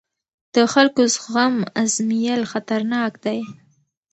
د خلکو زغم ازمېیل خطرناک دی